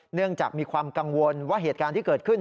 เนื่องจากมีความกังวลว่าเหตุการณ์ที่เกิดขึ้น